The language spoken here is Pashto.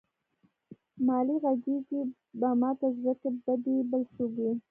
مالې غږېږې به ماته زړه کې به دې بل څوک وي.